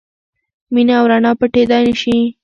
مینه او رڼا پټېدای نه شي.